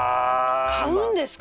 買うんですか？